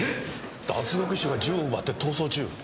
脱獄囚が銃を奪って逃走中。